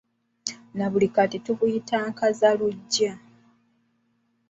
Na buli kati tubuyita Nkazaluggya.